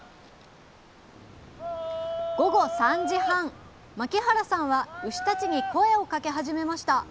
午後３時半牧原さんは牛たちに声をかけ始めました。